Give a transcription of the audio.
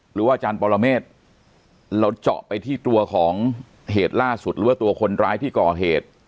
อาจารย์ปรเมฆเราเจาะไปที่ตัวของเหตุล่าสุดหรือว่าตัวคนร้ายที่ก่อเหตุ